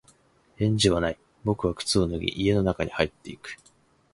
返事はない。僕は靴を脱ぎ、家の中に入っていく。